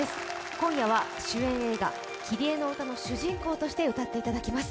今夜は主演映画「キリエのうた」の主人公として歌っていただきます。